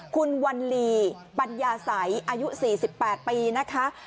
คุณวัลลีปัญญาสัยอายุ๔๘ปีนะคะ